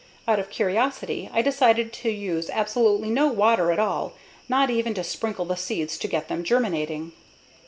Out of curiosity I decided to use absolutely no water at all, not even to sprinkle the seeds to get them germinating.